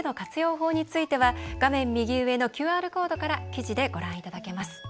法については画面右上のＱＲコードから記事でご覧いただけます。